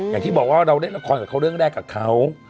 อย่างที่บอกว่าเราเล่นละครกับเขาเรื่องแรกกับเขา